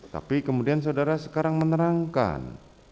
tapi kemudian saudara sekarang menerangkan